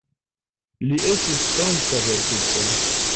Li estis franca verkisto.